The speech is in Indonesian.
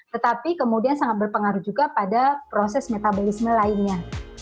tetapi kemudian sangat berpengaruh juga pada proses metabolisme lainnya